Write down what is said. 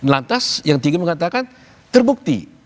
lantas yang tinggi mengatakan terbukti